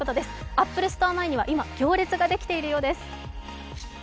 アップルストア前には今、行列ができているようです。